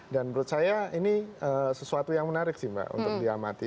dan menurut saya ini sesuatu yang menarik sih mbak untuk diamati